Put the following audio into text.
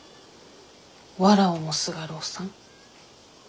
わらをもすがるおっさん？